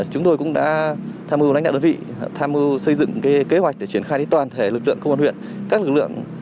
chúng tôi cũng đã tham mưu đánh đạo đơn vị tham mưu xây dựng kế hoạch để triển khai toàn thể lực lượng công an huyện